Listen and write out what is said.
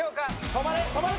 止まれ止まれ！